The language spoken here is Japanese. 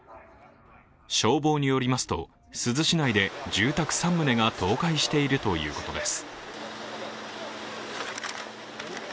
消防によりますと珠洲市内で住宅３棟が倒壊しているということです。